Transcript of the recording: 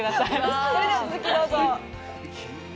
それでは続きをどうぞ。